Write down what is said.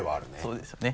そうですよね。